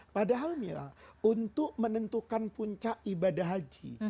padahal mila untuk menentukan puncak ibadah haji